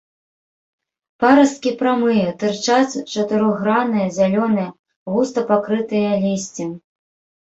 Парасткі прамыя, тырчаць, чатырохгранныя, зялёныя, густа пакрытыя лісцем.